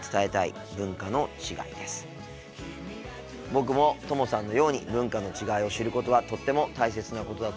僕もともさんのように文化の違いを知ることはとっても大切なことだと思います。